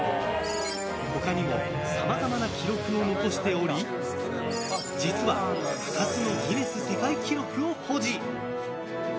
他にもさまざまな記録を残しており実は、２つのギネス世界記録を保持！